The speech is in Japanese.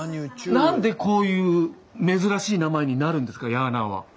何でこういう珍しい名前になるんですかヤーナーは。